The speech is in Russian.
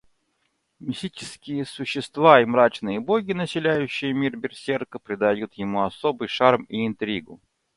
Мистические существа и мрачные боги, населяющие мир Берсерка, придают ему особый шарм и интригу.